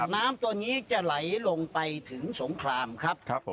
น้ำตัวนี้จะไหลลงไปถึงสงครามครับผม